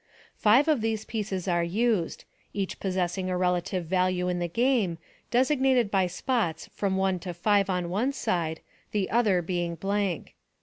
Five of these pieces are used, each possessing a relative value in the game, designa ted by spots from one to five on one side, the other being blank.